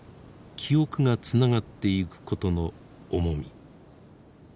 記憶がつながってゆくことの重み。